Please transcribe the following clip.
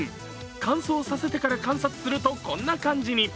乾燥させてから観察するとこんな感じに。